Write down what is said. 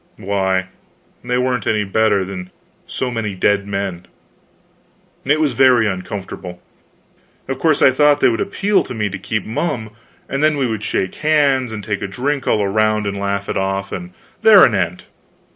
Why, they weren't any better than so many dead men. It was very uncomfortable. Of course, I thought they would appeal to me to keep mum, and then we would shake hands, and take a drink all round, and laugh it off, and there an end.